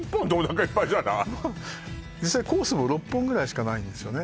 実際コースも６本ぐらいしかないんですよね